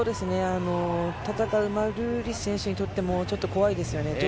戦うマルーリス選手にとってもちょっと怖いですよね。